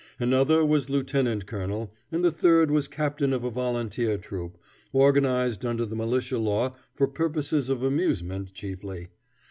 Another was lieutenant colonel, and the third was captain of a volunteer troop, organized under the militia law for purposes of amusement, chiefly.